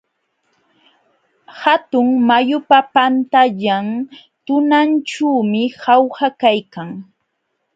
Hatun mayupa patallan tunanćhuumi Jauja kaykan.